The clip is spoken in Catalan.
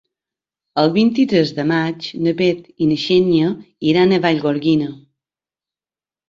El vint-i-tres de maig na Bet i na Xènia iran a Vallgorguina.